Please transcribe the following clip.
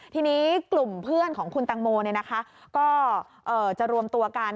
ทีนี้กลุ่มเพื่อนของคุณตังโมก็จะรวมตัวกัน